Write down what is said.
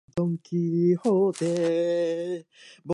夢のような時間だったよ